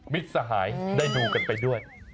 สหายได้ดูกันไปด้วย